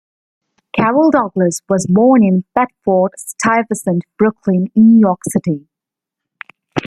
Carol Douglas was born in Bedford-Stuyvesant, Brooklyn, New York City.